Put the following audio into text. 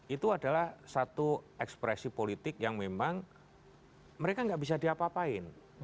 itu adalah satu ekspresi politik yang memang mereka nggak bisa diapa apain